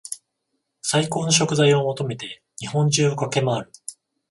最高の食材を求めて日本中を駆け回る